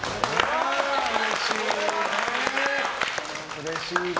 うれしいね。